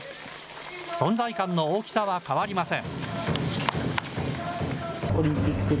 存在感の大きさは変わりません。